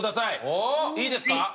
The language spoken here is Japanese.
いいですか？